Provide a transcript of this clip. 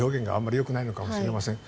よろしくないのかもしれません。